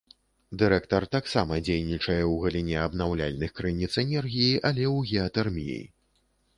Дырэктар таксама дзейнічае ў галіне абнаўляльных крыніц энергіі, але ў геатэрміі.